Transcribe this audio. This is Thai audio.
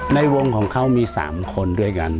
ในวงของเขามี๓คนด้วยกัน